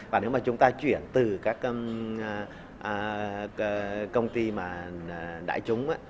và nếu mà chúng ta chuyển từ các công ty mà đại chúng